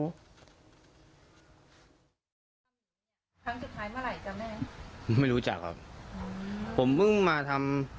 ครั้งสุดท้ายเมื่อไหร่จ้ะแม่ไม่รู้จักครับผมเพิ่งมาทำ